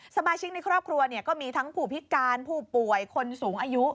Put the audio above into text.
สมาชิกในครอบครัวก็มีทั้งผู้พิการผู้ป่วยคนสูงอายุ